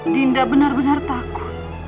dinda benar benar takut